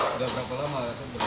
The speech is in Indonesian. sudah berapa lama